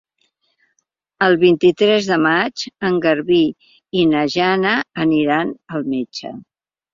El vint-i-tres de maig en Garbí i na Jana aniran al metge.